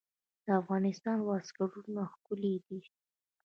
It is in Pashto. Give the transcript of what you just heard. د افغانستان واسکټونه ښکلي دي